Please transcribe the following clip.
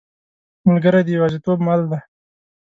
ملګری د یوازیتوب مل دی.